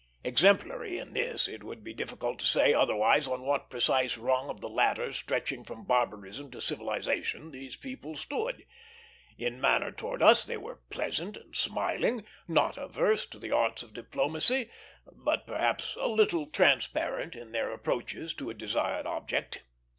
Exemplary in this, it would be difficult to say, otherwise, on what precise rung of the ladder stretching from barbarism to civilization these people stood. In manner towards us they were pleasant and smiling; not averse to the arts of diplomacy, but perhaps a little transparent in their approaches to a desired object.